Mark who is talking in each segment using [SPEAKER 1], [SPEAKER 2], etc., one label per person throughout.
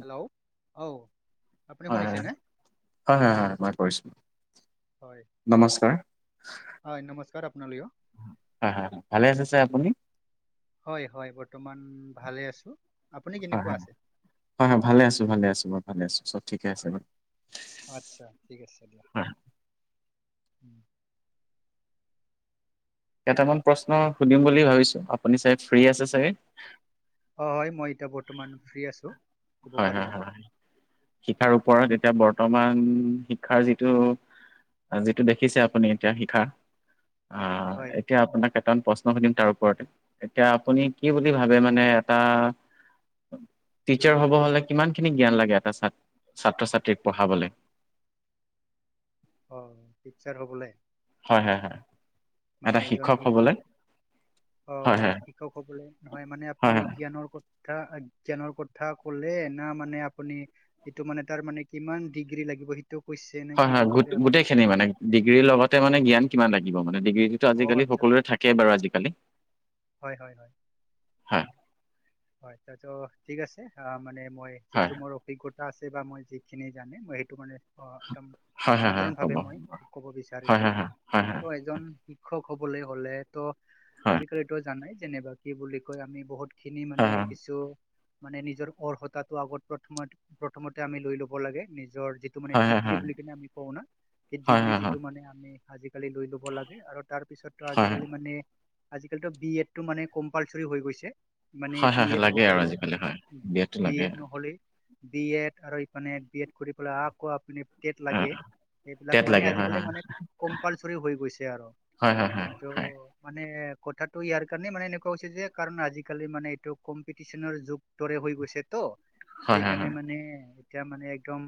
[SPEAKER 1] Hello! অ, আপুনি
[SPEAKER 2] হয় হয়
[SPEAKER 1] শুনিছেনে?
[SPEAKER 2] হয় হয় হয় মই কৰিছো
[SPEAKER 1] হয়,
[SPEAKER 2] নমস্কাৰ
[SPEAKER 1] হয় নমস্কাৰ আপোনালৈয়ো।
[SPEAKER 2] হয় হয়, ভালে আছে ছাৰ আপুনি?
[SPEAKER 1] হয় হয় বৰ্তমান ভালে আছোঁ, আপুনি
[SPEAKER 2] হয়
[SPEAKER 1] কেনেকুৱা
[SPEAKER 2] হয়
[SPEAKER 1] আছে?
[SPEAKER 2] হয় হয় ভালে আছো, ভালে আছো মই ভালে আছোঁ চব ঠিকে আছে।
[SPEAKER 1] আচ্ছা ঠিক আছে দিয়া।
[SPEAKER 2] হয়
[SPEAKER 1] উম।
[SPEAKER 2] কেইটামান প্ৰশ্ন সুধিম বুলি ভাবিছোঁ আপুনি চাগ ফ্ৰী আছে চাগে?
[SPEAKER 1] অ হয় মই এতিয়া বৰ্তমান ফ্ৰী আছোঁ।
[SPEAKER 2] হয় হয় হয় শিক্ষাৰ ওপৰত এতিয়া বৰ্তমান শিক্ষাৰ যিটো আজিতো দেখিছে আপুনি এতিয়া শিখাৰ আহ
[SPEAKER 1] হয়
[SPEAKER 2] এতিয়া আপোনাক প্ৰশ্ন সুধিম তাৰ ওপৰতে। এতিয়া আপুনি কি বুলি ভাবে মানে এটা টিচাৰ হ'ব হ'লে কিমান খিনি জ্ঞান লাগে এটা ছাত ছাত্ৰ ছাত্ৰীক পঢ়াবলৈ?
[SPEAKER 1] অঁ টিচাৰ হ'বলে?
[SPEAKER 2] হয় হয় হয়।
[SPEAKER 1] মানে
[SPEAKER 2] এটা
[SPEAKER 1] এজন শিক্ষক
[SPEAKER 2] হবলৈ
[SPEAKER 1] অ
[SPEAKER 2] হয় হয়
[SPEAKER 1] শিক্ষকসকলে নহয় মানে
[SPEAKER 2] হয়
[SPEAKER 1] আপুনি
[SPEAKER 2] হয়
[SPEAKER 1] জ্ঞানৰ ক ক জ্ঞানৰ কথা ক'লে এ ন মানে আপুনি সেইটো মানে তাৰ মানে কিমান ডিগ্ৰী লাগিব সেইটো কৈছে নে
[SPEAKER 2] হয়
[SPEAKER 1] কিবা
[SPEAKER 2] হয় গোট
[SPEAKER 1] ক'লে আপুনি?
[SPEAKER 2] গোটেই খিনি মানে ডিগ্ৰীৰ লগতে মানে জ্ঞান কিমান লাগিব মানে। ডিগ্ৰী
[SPEAKER 1] অ
[SPEAKER 2] আজিকালি
[SPEAKER 1] আচ্ছা
[SPEAKER 2] সকলোৰে থাকেই বাৰু আজিকালি
[SPEAKER 1] হয় হয় হয়।
[SPEAKER 2] হয়।
[SPEAKER 1] হয় তো ঠিক আছে মানে মই
[SPEAKER 2] হয়
[SPEAKER 1] যিটো মোৰ অভিজ্ঞতা আছে বা মই যিখিনি জানে মই সেইটো মানে অ একদম
[SPEAKER 2] হয় হয় হয় হ'ব
[SPEAKER 1] সাধাৰণভাৱে মই ক'ব
[SPEAKER 2] হয়
[SPEAKER 1] বিচাৰিছোঁ।
[SPEAKER 2] হয় হয় হয় হয়
[SPEAKER 1] ত' এজন শিক্ষক হ'বলৈ হ'লে ত' আজিকালিতটো জানাই যেনেবা কি বুলি কয় আমি বহুত খিনি মানে
[SPEAKER 2] হয়
[SPEAKER 1] কিছু মানে নিজৰ অৰ্হতাটো আগত প্ৰথম প্ৰথমতে আমি লৈ ল'ব লাগে। নিজৰ টো মানে
[SPEAKER 2] হয় হয় হয় হয়
[SPEAKER 1] ডিগ্ৰী বুলি কিনে আমি কও না সেই
[SPEAKER 2] হয় হয় হয়
[SPEAKER 1] ডিগ্ৰীটোতো মানে আমি আজিকালি লৈ ল'ব লাগে আৰু তাৰপিছতো
[SPEAKER 2] হয়
[SPEAKER 1] আজিকালি মানে আজিকালিতো বি এডটো মানে কম্পালচৰি হৈ গৈছে। মানে
[SPEAKER 2] হয়
[SPEAKER 1] বি
[SPEAKER 2] হয় হয়
[SPEAKER 1] এড
[SPEAKER 2] লাগে
[SPEAKER 1] নহ'লে,
[SPEAKER 2] আৰু আজিকালি হয় বিয়াতটো
[SPEAKER 1] বি
[SPEAKER 2] লাগে
[SPEAKER 1] এড নহ'লে বি এড আৰু ইফানে বি এড কৰি পেলাই আকৌ আপুনি টেট লাগে সেইবিলাক
[SPEAKER 2] টেট
[SPEAKER 1] মানে
[SPEAKER 2] লাগে হয়
[SPEAKER 1] আজিকালি
[SPEAKER 2] হয়
[SPEAKER 1] মানে কম্পালচৰি হৈ গৈছে আৰু।
[SPEAKER 2] হয় হয় হয়
[SPEAKER 1] ত' মানে কথাটো ইয়াৰ কাৰণে মানে এনেকুৱা হৈছে যে কাৰণ আজিকালিৰ আজিকালি মানে এইটো কম্পিটিচনৰ যুগ দৰে হৈ গৈছে ত',
[SPEAKER 2] হয় হয় হয়
[SPEAKER 1] সেইকাৰণে মানে এতিয়া মানে একদম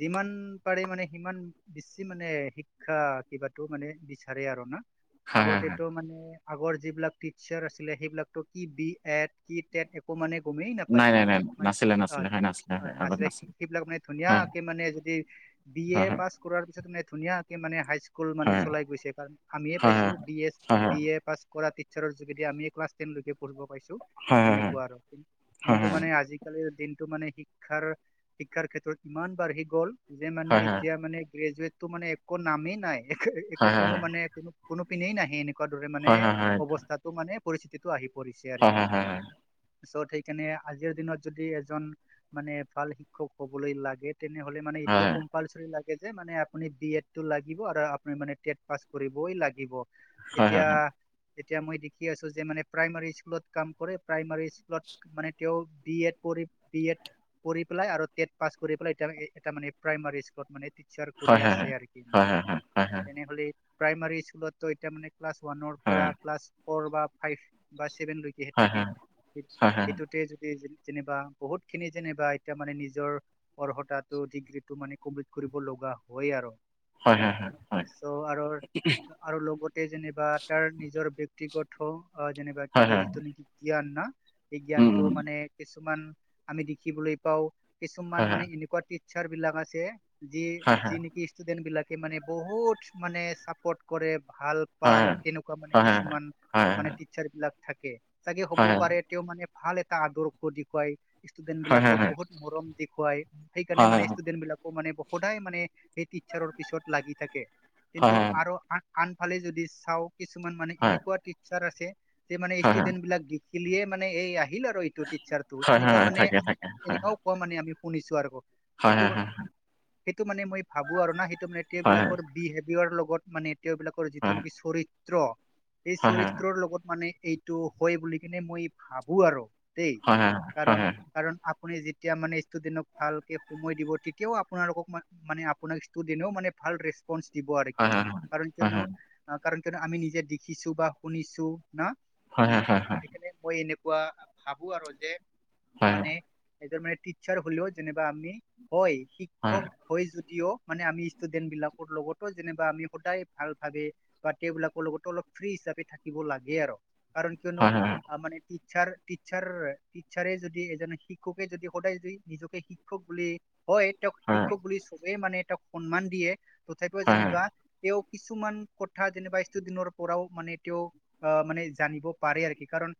[SPEAKER 1] যিমান পাৰে মানে সিমান বেছি মানে শিক্ষা কিবাতো মানে বিচাৰে আৰু না।
[SPEAKER 2] হয় হয় হয় হয়
[SPEAKER 1] আগতেটো মানে আগৰ যিবিলাক টিচাৰ আছিলে সেইবিলাকতো কি বি এড কি তেট একো মানে গমেই
[SPEAKER 2] নাই
[SPEAKER 1] নাপায়,
[SPEAKER 2] নাই নাই নাছিলে নাছিলে
[SPEAKER 1] অ' [inaudible]
[SPEAKER 2] হয় নাছিলে হয়
[SPEAKER 1] অ', নাচে
[SPEAKER 2] আগত নাছিলে
[SPEAKER 1] সেইবিলাক বিলাক মানে
[SPEAKER 2] হয়
[SPEAKER 1] ধুনীয়াকে মানে যদি বি এ
[SPEAKER 2] হয় হয়
[SPEAKER 1] পাছ কৰাৰ পিছত মানে ধুনীয়াকে মানে হাই স্কুল মানে
[SPEAKER 2] হয়
[SPEAKER 1] চলাই গৈছে, কাৰণ আমিয়ে
[SPEAKER 2] হয়
[SPEAKER 1] পাইছো বি এ,
[SPEAKER 2] হয়
[SPEAKER 1] বি এ পাছ কৰা টিচাৰ যোগেদি আমি ক্লাছ টেনলৈকে পঢ়িব পাইছো।
[SPEAKER 2] হয় হয় হয়
[SPEAKER 1] তেনেকুৱা আৰু
[SPEAKER 2] হয়
[SPEAKER 1] কিন্তু
[SPEAKER 2] হয়
[SPEAKER 1] মানে আজি আজিকালিৰ দিনটো মানে শিক্ষাৰ শিক্ষাৰ ক্ষেত্ৰত ইমান বাঢ়ি গ'ল। যে মানে
[SPEAKER 2] হয়
[SPEAKER 1] এতিয়া মানে গ্ৰেজুৱটটো মানে একো নামেই নাই, একো
[SPEAKER 2] হয় হয় হয় হয় হয় হয়
[SPEAKER 1] কোনো মানে কোনো কোনো পিনেই নাহে এনেকুৱা দৰে মানে
[SPEAKER 2] হয় হয় হয়
[SPEAKER 1] অৱস্থাতটো মানে পৰিস্থিতিটো আহি পৰিছে আৰু
[SPEAKER 2] হয়
[SPEAKER 1] কি।
[SPEAKER 2] হয় হয় হয়
[SPEAKER 1] চ' সেইকাৰণে আজিৰ দিনত যদি এজন মানে ভাল শিক্ষক হবলৈ লাগে তেনেহ'লে মানে এইটো কম। [unintelligible] লাগে যে, মানে আপুনি তোমাৰ এ বি এড টো লাগিব আৰু আপুনি মানে টেট পাছ কৰিবই লাগিব।
[SPEAKER 2] হয় হয়
[SPEAKER 1] এতিয়া, এতিয়া মই দেখি আছো যে মানে প্ৰাইমাৰী স্কুলত কাম কৰে, প্ৰাইমাৰী স্কুলত মানে তেওঁ বি এড [unintelligible] বি এড পঢ়ি পেলাই আৰু টেট পাছ কৰি পেলাই এতি- এতিয়া মানে প্ৰাইমাৰী স্কুলত মানে ছাৰ কৰি
[SPEAKER 2] হয় হয়
[SPEAKER 1] আছে আৰু
[SPEAKER 2] হয় হয় হয়
[SPEAKER 1] [unintelligible]
[SPEAKER 2] হয় হয়
[SPEAKER 1] তেনেহ'লে প্ৰাইমাৰী স্কুলত এতিয়া মানে ক্লাছ ওৱানৰ পৰিলা, ফ'ৰ বা ফাইভ বা ছেভেনলৈ যিহেত
[SPEAKER 2] হয় হয় হয়
[SPEAKER 1] থাকে, স-
[SPEAKER 2] হয় হয়
[SPEAKER 1] সেইটোত যদি যেনিবা বহুত খিনি যেনিবা এতিয়া মানে নিজৰ। অৰ্হতটো ডিগ্ৰীটো মানে কমপ্লিট কৰিব লগা হয়ে আৰু।
[SPEAKER 2] হয় হয়
[SPEAKER 1] চ' আৰু আৰু লগতে যেনিবা তাৰ নিজৰ ব্যক্তিগত যেনিবা কি
[SPEAKER 2] হয় হয়
[SPEAKER 1] কয়
[SPEAKER 2] হয়
[SPEAKER 1] যিটো নেকি জ্ঞান না সেই
[SPEAKER 2] উম
[SPEAKER 1] জ্ঞানটো,
[SPEAKER 2] উম
[SPEAKER 1] মানে কিছুমান আমি দেখিবলৈ পাওঁ।
[SPEAKER 2] হয়
[SPEAKER 1] কিছুমান
[SPEAKER 2] হয়
[SPEAKER 1] মানে এনেকুৱা টিচাৰ বিলাক আছে যি,
[SPEAKER 2] হয়
[SPEAKER 1] যি ষ্টুডেন্ট বিলাকে মানে বহুত মানে চাপৰ্ট কৰে ভাল।
[SPEAKER 2] হয়
[SPEAKER 1] পায়, তেনেকুৱা মানে
[SPEAKER 2] হয় হয়
[SPEAKER 1] কিছুমান
[SPEAKER 2] হয় হয়
[SPEAKER 1] মানে টিচাৰ বিলাক থাকে, চাগে হ'ব
[SPEAKER 2] হয় হয় হয়
[SPEAKER 1] পাৰে তেওঁ মানে ভাল এটা আদৰ্শ দেখুৱাই। ষ্টুডেন্ট
[SPEAKER 2] হয় হয়
[SPEAKER 1] বিলাকক বহুত মৰম দেখুৱাই, সেইকাৰণে
[SPEAKER 2] হয় হয়
[SPEAKER 1] মানে
[SPEAKER 2] হয়
[SPEAKER 1] ষ্টুডেন্ট বিলাক। মানে সদায় মানে সেই টিচাৰৰ পিছত লাগি থাকে, কিন্তু আৰু আ আনফালে যদি চাওঁ, কিছুমান মানে এনেকুৱা টিচাৰ আছে, যে মানে
[SPEAKER 2] হয় হয়
[SPEAKER 1] ষ্টুডেন্ট বিলাক দি খিলিয়ে মানে, এই আহিল আৰু এইটো টিচাৰটো,
[SPEAKER 2] হয়
[SPEAKER 1] এনেকা
[SPEAKER 2] হয়
[SPEAKER 1] মানে
[SPEAKER 2] থাকে
[SPEAKER 1] আমি
[SPEAKER 2] থাকে হয়
[SPEAKER 1] এনেকুঁৱাও
[SPEAKER 2] হয়
[SPEAKER 1] মানে আমি শুনিছো আৰু।
[SPEAKER 2] হয়
[SPEAKER 1] সেইটো,
[SPEAKER 2] হয় হয়
[SPEAKER 1] সেইটো মানে মই ভাবো আৰু না সেইটো মানে
[SPEAKER 2] হয় হয়
[SPEAKER 1] তেওঁবিলাকৰ বিহেভিয়ৰ লগত, মানে তেওঁবিলাকৰ যিটো নেকি চৰিত্ৰ। এই
[SPEAKER 2] হয় হয়
[SPEAKER 1] চৰিত্ৰৰ লগত মানে এইটো হয় বুলি কিনে মই ভাবো আৰু। দেই,
[SPEAKER 2] হয় হয় হয় হয়
[SPEAKER 1] কাৰণ
[SPEAKER 2] হয়
[SPEAKER 1] কাৰণ আপুনি যেতিয়া মানে ষ্টুডেন্টক ভালকে সময় দিব তেতিয়াও আপোনালোকক মানে আপোন ষ্টুডেনেও ভাল ৰেচ পঞ্চ দিব আৰু কি,
[SPEAKER 2] হয় হয়
[SPEAKER 1] কাৰণ কিয়নো, কাৰণ কিয়নো আমি নিজে দেখিছো বা শুনিছো। না
[SPEAKER 2] হয় হয় হয় হয় হয়
[SPEAKER 1] উম,
[SPEAKER 2] হয় হয় হয় হয় হয় হয় হয় হয়
[SPEAKER 1] সেইকাৰণে মই এনেকুৱা ভাবো আৰু যে মানে
[SPEAKER 2] হয় হয়
[SPEAKER 1] এইটো মানে টিচাৰ হলেও যেনিবা আমি, হয় শিক্ষক। হয় যদিও মানে আমি ষ্টুডেন্ট বিলাকৰ লগতো যেনিবা আমি সদায় ভাল ভাবে বা তেওঁবিলাকৰ লগতো অলপ ফ্ৰী হিচাপে থাকিব লাগে আৰু কাৰণ কিয়নো মানে টিচাৰ টিচাৰ টিচাৰ যদি এজন শিক্ষকে যদি সদায় যদি নিজকে শিক খুব বুলি- হয়, তেওঁক শিক্ষক বুলি চবেই মানে তেওঁক সন্মান দিয়ে তথাপিও যেনিবা তেওঁক- কিছুমান কথা যেনিবা স দিনৰ পৰাও মানে তেও- আহ মানে জানিব পাৰে আৰু কি কাৰণ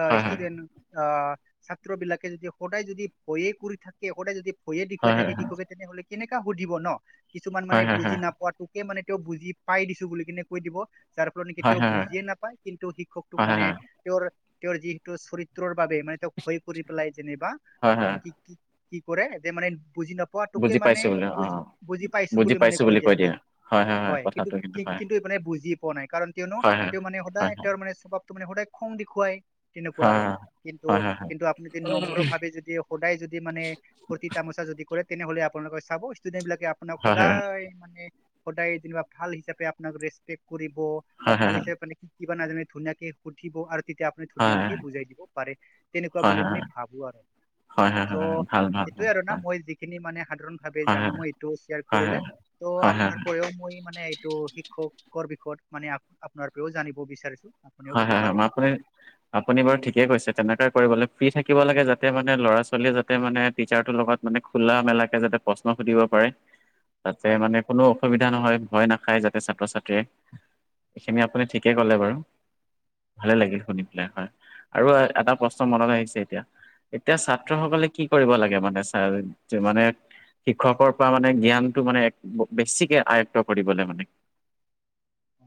[SPEAKER 1] আ ষ্টুডেণ্ট- আহ ছাত্ৰ বিলাকে যদি সদায় যদি ভয়ে কৰি থাকে, সদায় যদি- ভযে দেখুৱাই থাকে শিক্ষকে তেনেহলে কেনেকা সুধিব ন, কিছুমান মানে
[SPEAKER 2] হয় হয় হয়
[SPEAKER 1] বুজি নাপোৱাতো- কে মানে তেওঁ বুজি পাই দিছো বুলি কিনে কৈ দিব যাৰ ফলত নেকি
[SPEAKER 2] হয়
[SPEAKER 1] তেওঁ
[SPEAKER 2] হয়
[SPEAKER 1] বুজিয়ে নাপায়। এটো শিক্ষকটোক
[SPEAKER 2] হয় হয়
[SPEAKER 1] মানে
[SPEAKER 2] হয়
[SPEAKER 1] তেওঁৰ তেওঁৰ যিহেতু চৰিত্ৰৰ বাবে মানে তেওঁক ভয় কৰি পেলাই যেনিবা-
[SPEAKER 2] হয় হয়
[SPEAKER 1] উ
[SPEAKER 2] হয়
[SPEAKER 1] কি কি কি কৰে মানে বুজি নাপ পোৱাটোকে
[SPEAKER 2] বুজি
[SPEAKER 1] মানে
[SPEAKER 2] পাইছো বোলে অ
[SPEAKER 1] বুজি বুজি পাইছো বুলি মানে কৈ দিয়ে কি হয় কিন্তু কি কিন্তু মানে বুজি- পোৱা নাই কাৰণ কিয়নো
[SPEAKER 2] হয় হয়
[SPEAKER 1] তেওঁ মানে
[SPEAKER 2] হয়
[SPEAKER 1] সদায় তেওঁৰ মানে স্বভাৱটো মানে সদায় খং দেখুৱাই- তেনেকুৱা আৰু কিন্তু
[SPEAKER 2] হয় হয় হয়
[SPEAKER 1] কিন্তু আপুনি যদি নম্ৰ ভাৱে যদি- সদায় যদি মানে ফুৰ্তি তামোচা যদি কৰে তেনেহলে আপোনালোকে চাব ষ্টুডেন্ট বিলাকে আপ আপোনাক
[SPEAKER 2] হয় হয় হয়
[SPEAKER 1] সদায় মানে সদায় যেনিবা ভাল হিচাপে আপোনাক ৰেচপেক্ট কৰিব। বা
[SPEAKER 2] হয় হয়
[SPEAKER 1] ভালি চা মানে কি কিবা নাজানে ধুনীয়াকে সুধিব আৰু তেতিয়া আপ ধুনীয়াকে বুজাই দিব পাৰে তেনেকুৱা
[SPEAKER 2] হয়
[SPEAKER 1] বুলি মই ভাবো আৰু।
[SPEAKER 2] হয় হয় হয় হয় হয় হয়, হয়,
[SPEAKER 1] ত'
[SPEAKER 2] হয়। ভাল ভাল
[SPEAKER 1] সেইটোয়ে
[SPEAKER 2] ভাল
[SPEAKER 1] আৰু ন
[SPEAKER 2] হয়
[SPEAKER 1] মই যি খিনি মানে সাধাৰণ ভাৱে
[SPEAKER 2] হয়
[SPEAKER 1] জানো
[SPEAKER 2] হয়
[SPEAKER 1] মই এইটো শ্বেয়াৰ
[SPEAKER 2] হয় হয়
[SPEAKER 1] কৰিলে ত'
[SPEAKER 2] হয়
[SPEAKER 1] আপোনাৰ পৰাও মই মানে- তটো শিক্ষকৰ বিষয়ত মানে আপোনাৰ পৰাও জানিব বিচাৰিছো। আপুনিও
[SPEAKER 2] হয়
[SPEAKER 1] ক'ব
[SPEAKER 2] হয় হয়
[SPEAKER 1] পাৰিব
[SPEAKER 2] মই আপুনি- আপুনি বাৰু ঠিকেই কৈছে তেনেকাই কৰিব লাগে ফ্ৰী থাকিব লাগে যাতে মানে ল'ৰা ছোৱালীয়ে যাতে মানে টিচাৰটোৰ লগত- মানে খোলা মেলাকে যাতে প্ৰশ্ন সুধিব পাৰে তাতে
[SPEAKER 1] হয়
[SPEAKER 2] মানে- কোনো অসুবিধা নহয় ভয় নাখায় যাতে ছাত্ৰ ছাত্ৰীয়ে এইখিনি আপুনি ঠিকে ক'লে বাৰু। ভালে
[SPEAKER 1] হয়
[SPEAKER 2] লাগিল শুনি পেলাই হয় আৰু এটা প্ৰশ্ন মনত আহিছে এতিয়া। এতিয়া ছাত্ৰ
[SPEAKER 1] হয়
[SPEAKER 2] সকলে কি কৰিব লাগে মানে চা যিমানে- শিক্ষকৰ পৰা মানে জ্ঞানটো মানে এক বেছিকে আয়ত্ব কৰিবলে মানে।
[SPEAKER 1] অ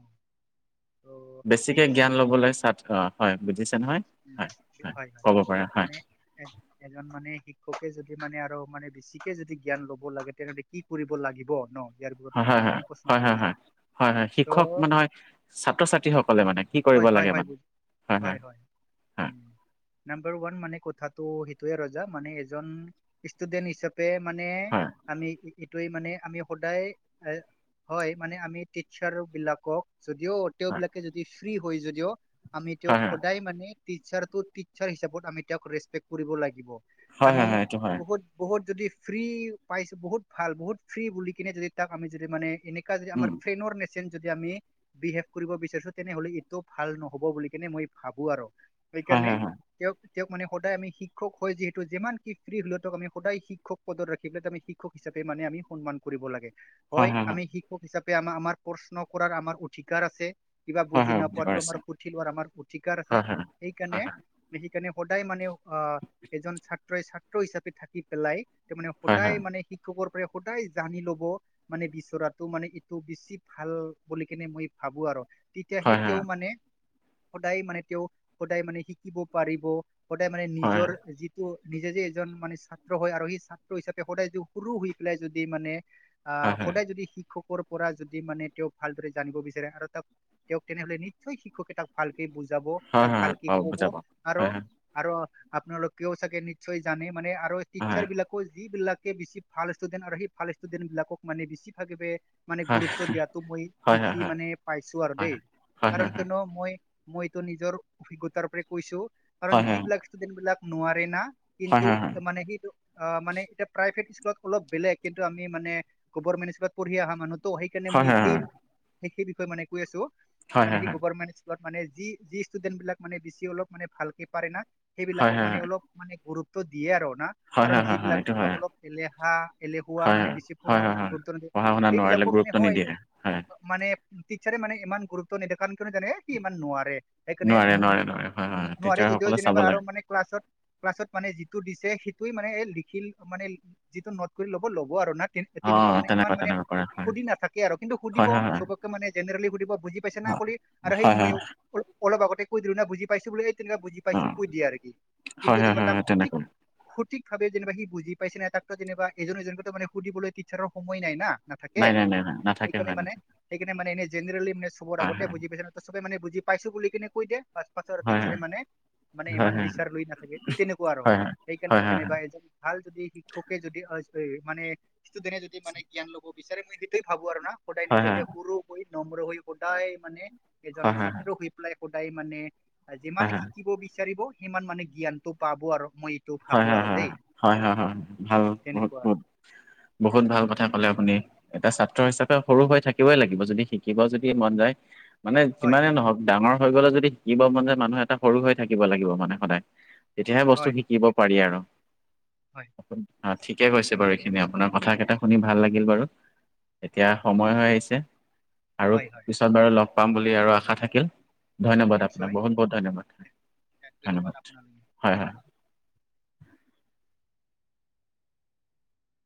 [SPEAKER 1] ত' ঠিক
[SPEAKER 2] বেছিকে
[SPEAKER 1] আছে
[SPEAKER 2] জ্ঞান ল'বলে ছাত্ অ হয় বুজিছে নহয়।
[SPEAKER 1] উম
[SPEAKER 2] হয়
[SPEAKER 1] হয় হয়
[SPEAKER 2] ক'ব পাৰে হয়
[SPEAKER 1] মানে এ এজন মানে শিক্ষকে যদি মানে আৰু মানে বেছিকে যদি জ্ঞান ল'ব লাগে তেনেহলে কি কৰিব লাগিব ন। ইয়াৰ ওপৰত
[SPEAKER 2] হয়
[SPEAKER 1] মানে যে
[SPEAKER 2] হয়
[SPEAKER 1] আপুনি
[SPEAKER 2] হয়
[SPEAKER 1] প্ৰশ্ন
[SPEAKER 2] হয়
[SPEAKER 1] কৰিছে
[SPEAKER 2] হয় হয় হয়
[SPEAKER 1] ত'
[SPEAKER 2] শিক্ষক নহয় ছাত্ৰ ছাত্ৰীসকলে মানে- কি কৰিব
[SPEAKER 1] হয়
[SPEAKER 2] লাগে মানে? হয়, হয়,
[SPEAKER 1] উ নাম্বাৰ ওৱান মানে কথাটো সেইটোয়ে ৰজা মানে এজন ষ্টুডেন্ট হিচাপ তে মানে
[SPEAKER 2] হয়
[SPEAKER 1] আমি- এইটোৱেই মানে আমি সদায় হয় মানে আমি টিচাৰ বিলাকক- যদিও
[SPEAKER 2] হয়
[SPEAKER 1] তেওঁবিলাকে যদি ফ্ৰী হয় যদিও আমি
[SPEAKER 2] হয়
[SPEAKER 1] তেওঁক সদায় মানে- টিচাৰটো টিচাৰ হিচাপত আমি তেওঁক ৰেচপেক্ট কৰিব লাগিব,
[SPEAKER 2] হয় হয় হয়
[SPEAKER 1] আমি
[SPEAKER 2] হয় হয় এইটো হয়
[SPEAKER 1] বহুত- বহুত যদি ফ্ৰী পাইছো বহুত ভাল বহুত ফ্ৰী বুলি কিনে যদি তাক আমি যদি মানে এনে- নেকা যদি আমাৰ
[SPEAKER 2] উম
[SPEAKER 1] ফ্ৰেনৰ নেচেন যদি আমি বিহেভ কৰিব বিচাৰিছো- তেনেহলে এইটো ভাল নহ'ব বুলি কেনে মই ভাবো আৰু
[SPEAKER 2] হয় হয়
[SPEAKER 1] সেইকাৰণে-
[SPEAKER 2] হয়
[SPEAKER 1] তেওঁক তেওঁক মানে সদায় আমি শিক্ষক হয় যিহেতু যিমান কি ফ্ৰী হলেও তেওঁক আমি সদায় শিক্ষক- পদত ৰাখিলে ত আমি শিক্ষক হিচাপে মানে আমি সন্মান কৰিব লাগে। হয় আমি শিক্ষক হিচাপে আমাৰ আমাৰ প্ৰশ্ন কৰাৰ আমাৰ অধিকাৰ আছে। কিবা
[SPEAKER 2] হয় হয়
[SPEAKER 1] বুজি
[SPEAKER 2] হয় হয়
[SPEAKER 1] নপোৱাটো
[SPEAKER 2] হয়
[SPEAKER 1] আমাৰ সুধি লোৱাৰ আমাৰ অধিকাৰ আছে
[SPEAKER 2] হয় হয়
[SPEAKER 1] সেইকাৰণে সেইকাৰণে সদায় মানে- অ এজন ছাত্ৰই ছাত্ৰ হিচাপে থাকি পেলাই তাৰ মানে
[SPEAKER 2] হয় হয়
[SPEAKER 1] সদায় মানে শিক চবৰ পৰাই সদায় জানি ল'ব। মানে বিচৰাটো মানে এইটো বেছি ভাল বুলি কেনে মই ভাবো আৰু। তেতিয়াহে
[SPEAKER 2] হয় হয়
[SPEAKER 1] তেওঁ মানে সদায় মানে তেওঁ সদায় মানে শিকিব পাৰিব। সদায় মানে
[SPEAKER 2] হয় হয়
[SPEAKER 1] নিজৰ যি নিজে যে এজন মানে ছাত্ৰ হয় আৰু সেই ছাত্ৰ হিচাপে সদায় যদি সুৰু হৈ পেলাই যদি মানে
[SPEAKER 2] হয়
[SPEAKER 1] আহ
[SPEAKER 2] হয়
[SPEAKER 1] সদায় যদি শিক্ষকৰ পৰা যদি মানে তেওঁক ভালদৰে জানিব বিচাৰে আৰু তাক তেনেহ'লে নিশ্চয় শিক্ষকে তাক ভালকে বুজাব
[SPEAKER 2] হয়
[SPEAKER 1] তাক
[SPEAKER 2] হয়
[SPEAKER 1] ভালকে
[SPEAKER 2] পাওঁ
[SPEAKER 1] ক'ব
[SPEAKER 2] বুজা পাওঁ
[SPEAKER 1] আৰু
[SPEAKER 2] হয় হয়
[SPEAKER 1] আৰু আপোনালোকেও চাগে নিশ্চয় জানে মানে আৰু টিচাৰবিলাকো যিবিলাক বেছি ভাল ষ্টুডেণ্ট আৰু সেই ভাল ষ্টুডেণ্ট বিলাকক মানে বেছি ভাগবে মানে
[SPEAKER 2] হয়
[SPEAKER 1] গুৰুত্ব দিয়াটো মই
[SPEAKER 2] হয় হয়
[SPEAKER 1] দিখি
[SPEAKER 2] হয়
[SPEAKER 1] মানে পাইছো আৰু
[SPEAKER 2] হয়
[SPEAKER 1] দেই।
[SPEAKER 2] হয় হয় হয়
[SPEAKER 1] কাৰণ কিয়নো মই মই এইটো নিজৰ অভিজ্ঞতাৰ পৰা কৈছো কাৰণ
[SPEAKER 2] হয় হয়
[SPEAKER 1] যিবিলাক ষ্টুডেন্টবিলাক নোৱাৰে না
[SPEAKER 2] হয় হয় হয়
[SPEAKER 1] [unintelligible]
[SPEAKER 2] হয়
[SPEAKER 1] মানে সেইটো অ' মানে এতিয়া প্ৰাইভেট স্কুলত অলপ বেলেগ কিন্তু আমি মানে গভাৰ্মেণ্ট স্কুলত পঢ়ি অহা মানুহ ত' সেইকাৰণে
[SPEAKER 2] হয়
[SPEAKER 1] মই
[SPEAKER 2] হয়
[SPEAKER 1] সেই সেই বিষয়ে মানে কৈ আছো।
[SPEAKER 2] হয়
[SPEAKER 1] মানে সেই গভাৰ্মেণ্ট স্কুলত মানে যি যি ষ্টুডেণ্টবিলাক মানে বেছি অলপ মানে ভালকে পাৰে না
[SPEAKER 2] হয় হয় হয় হয়
[SPEAKER 1] সেইবিলাকক
[SPEAKER 2] হয়
[SPEAKER 1] মানে অলপ মানে গুৰুত্ব দিয়ে আৰু না।
[SPEAKER 2] হয়,
[SPEAKER 1] কাৰণ
[SPEAKER 2] হয়, হয়,
[SPEAKER 1] যিবিলাক
[SPEAKER 2] এইটো
[SPEAKER 1] যেনিবা
[SPEAKER 2] হয়
[SPEAKER 1] অলপ এলেহা এলেহুৱা মানে বেছি পঢ়া শুনাত গুৰুত্ব নিদিয়ে।
[SPEAKER 2] পঢ়া-শুনা নোৱাৰিলে
[SPEAKER 1] সেইবিলাকো মানে
[SPEAKER 2] গুৰুত্ব
[SPEAKER 1] হয়
[SPEAKER 2] নিদিয়ে হা।
[SPEAKER 1] মানে টিচাৰে মানে ইমান গুৰুত্ব নিদে কাৰণ কিয়নো জানে সি ইমান নোৱাৰে। সেইকাৰণে
[SPEAKER 2] নোৱাৰে
[SPEAKER 1] উ
[SPEAKER 2] নোৱাৰে নোৱাৰে হয়
[SPEAKER 1] উ
[SPEAKER 2] হয় টিচাৰ
[SPEAKER 1] নোৱাৰে যদিও
[SPEAKER 2] সকলে চাব
[SPEAKER 1] যেনিবা আৰু
[SPEAKER 2] লাগে
[SPEAKER 1] মানে। ক্লাছত ক্লাছত মানে যিটো দিছে সেইটোৱে মানে লিখিল মানে যিটো নট কৰি ল'ব ল'ব আৰু না
[SPEAKER 2] অ
[SPEAKER 1] তেনেকুৱা মানে ইমান মানে
[SPEAKER 2] তেনেকুৱা কৰে হয়
[SPEAKER 1] সুধি নাথাকে আৰু কিন্তু সুধিব
[SPEAKER 2] হয় হয় হয়
[SPEAKER 1] চবকে মানে জেনেৰেলি সুধিব বুজি বুজি পাইছা না ক'লে আৰু সেই
[SPEAKER 2] হয় হয় হয়,
[SPEAKER 1] মইও অলপ আগতে কৈ দিলোঁ না বুজি পাইছো বুলি তেনে বুজি
[SPEAKER 2] অ
[SPEAKER 1] পাইছো কৈ দিয়ে আৰু সি কিন্তু
[SPEAKER 2] হয় হয়
[SPEAKER 1] যেনিবা
[SPEAKER 2] হয়
[SPEAKER 1] তাক
[SPEAKER 2] হয়
[SPEAKER 1] সঠিক
[SPEAKER 2] তেনেকুৱা
[SPEAKER 1] সঠিকভাৱে যেনিবা সি বুজি পাইছে নাই তাকতো যেনিবা এজন এজনকেটো মানে সুধিবলৈ টিচাৰৰ সময় নাই না। নাথাকে,
[SPEAKER 2] নাই নাই নাই নাই নাথাকে
[SPEAKER 1] সেইকাৰণে
[SPEAKER 2] হয়
[SPEAKER 1] মানে
[SPEAKER 2] নাথাকে
[SPEAKER 1] সেইকাৰনে মানে এনে জেনেৰেলি মানে চবৰ
[SPEAKER 2] হয়
[SPEAKER 1] আগতে
[SPEAKER 2] হয়
[SPEAKER 1] বুজি পাইছ ত' চবে মানে বুজি পাইছো বুলি কিনে কৈ দিয়ে। পাছৰ
[SPEAKER 2] হয়
[SPEAKER 1] টিচাৰে
[SPEAKER 2] হয়
[SPEAKER 1] মানে মানে
[SPEAKER 2] হয় হয়
[SPEAKER 1] ইমান বিচাৰ লৈ নাথাকে তেনেকুৱা আৰু
[SPEAKER 2] হয় হয় হয়
[SPEAKER 1] সেইকাৰণে
[SPEAKER 2] হয়
[SPEAKER 1] যেনেবা এজন ভাল যদি শিক্ষকে যদি [unintelligible] মানে ষ্টুডেণ্টে যদি মানে জ্ঞান ল'ব বিচাৰে মই সেইটোৱে ভাবো আৰু না। সদায়
[SPEAKER 2] হয় হয়
[SPEAKER 1] নিজকে সুৰু হৈ, নম্ৰ হৈ সদায় মানে
[SPEAKER 2] হয়
[SPEAKER 1] এজন
[SPEAKER 2] হয়
[SPEAKER 1] ছাত্ৰ হৈ। সদায় মানে যিমান
[SPEAKER 2] হয়
[SPEAKER 1] শিকিব বিচাৰিব সিমান মানে জ্ঞানটো পাব আৰু মই এইটো
[SPEAKER 2] হয়
[SPEAKER 1] ভাবো
[SPEAKER 2] হয়
[SPEAKER 1] আৰু দেই
[SPEAKER 2] হয় হয়। ভাল বহুত
[SPEAKER 1] তেনেকুৱা
[SPEAKER 2] বহুত বহুত ভাল কথা ক'লে আপুনি। এটা ছাত্ৰ হিচাপে সৰু হৈ থাকিবই লাগিব যদি শিকিব যদি মন যায়। মানে
[SPEAKER 1] হয়
[SPEAKER 2] যিমানে নহওঁক ডাঙৰ হৈ গ'লে যদি শিকিব মন যায় মানুহ এটা সৰু হৈ থাকিব লাগিব মানে সদায়। তেতিয়াহে বস্তু
[SPEAKER 1] হয়
[SPEAKER 2] শিকিব পাৰি আৰু।
[SPEAKER 1] হয়
[SPEAKER 2] অ' ঠিকে কৈছে বাৰু এইখিনি আপোনাৰ কথা কেইটা শুনি ভাল লাগিল বাৰু। এতিয়া
[SPEAKER 1] হয়
[SPEAKER 2] সময় হৈ আহিছে আৰু
[SPEAKER 1] হয় হয়
[SPEAKER 2] পিছত বাৰু লগ পাম বুলি আৰু আশা থাকিল। ধন্যবাদ আপোনাক
[SPEAKER 1] নিশ্চয়
[SPEAKER 2] বহুত বহুত ধন্যবাদ। ধন্যবাদ হয় হয়।